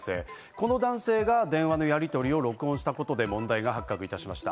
この男性が電話のやりとりを録音したことで問題が発覚いたしました。